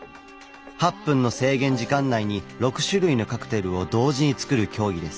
８分の制限時間内に６種類のカクテルを同時に作る競技です。